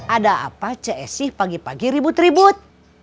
ada apa ce esih pagi pagi ribut ribut